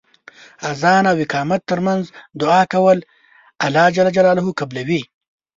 اذان او اقامت تر منځ دعا کول الله ج قبلوی .